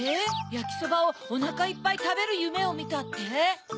「やきそばをおなかいっぱいたべるゆめをみた」って？